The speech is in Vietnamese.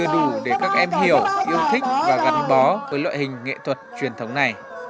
đủ để các em hiểu yêu thích và gắn bó với loại hình nghệ thuật truyền thống này